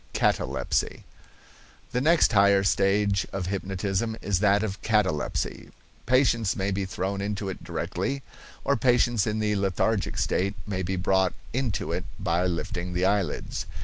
CATALEPSY. The next higher stage of hypnotism is that of catalepsy. Patients may be thrown into it directly, or patients in the lethargic state may be brought into it by lifting the eyelids.